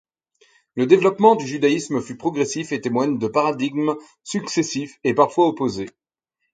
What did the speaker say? Le développement du judaïsme fut progressif et témoigne de paradigmes successifs et parfois opposés.